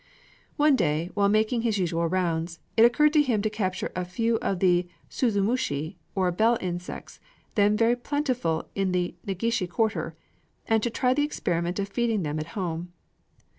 One day, while making his usual rounds, it occurred to him to capture a few of the suzumushi, or bell insects, then very plentiful in the Negishi quarter, and to try the experiment of feeding them at home.